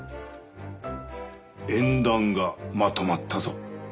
縁談がまとまったぞ。